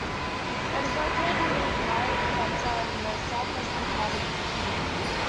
It is located near White Center, in the southwestern part of the city.